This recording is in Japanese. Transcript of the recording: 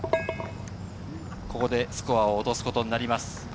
ここでスコアを落とすことになります。